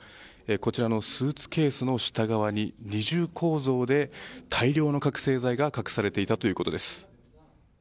こちらのスーツケースの下側に二重構造で大量の覚醒剤が隠されていたということです。